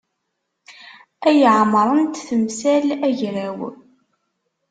Ay ɛemṛent temsal agraw.